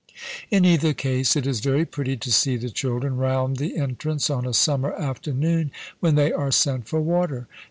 In either case, it is very pretty to see the children round the entrance on a summer afternoon, when they are sent for water.